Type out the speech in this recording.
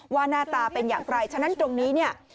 ว่าหน้าตาเป็นอย่างไรฉะนั้นตรงนี้